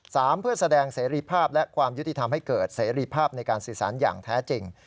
เพื่อแสดงเสรีภาพและความยุติธรรมให้เกิดเสรีภาพในการสื่อสารอย่างแท้จริง